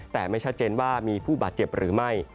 แต่ไม่ชัดเจนว่ามีผู้บาดเจ็บหรือไม่